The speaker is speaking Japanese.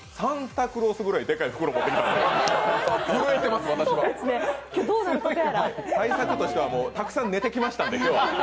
対策としては、たくさん寝てきましたので、今日は。